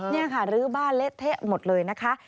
นี่ค่ะรื้อบ้านเละเทะหมดเลยนะคะ